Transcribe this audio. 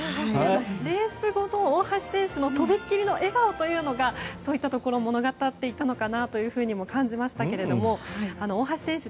レース後の大橋選手のとびきりの笑顔というのがそういうところを物語っていたのかなと感じましたが大橋選手